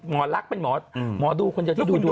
หมอรักเป็นหมอดูคนเดียวที่ดูดวงนะ